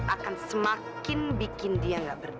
akan semakin bikin dia nggak berdaya